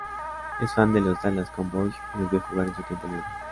Es fan de los Dallas Cowboys y los ve jugar en su tiempo libre.